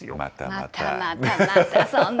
またまた、またそんな。